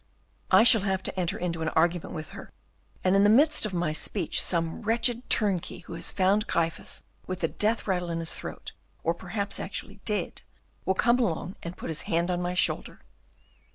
"I shall have to enter into an argument with her; and in the midst of my speech some wretched turnkey who has found Gryphus with the death rattle in his throat, or perhaps actually dead, will come along and put his hand on my shoulder.